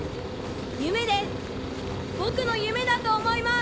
夢です僕の夢だと思います。